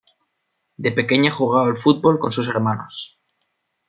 De pequeña jugaba al fútbol con sus hermanos.